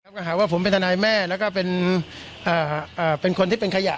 ก็หาว่าผมเป็นทนายแม่แล้วก็เป็นคนที่เป็นขยะ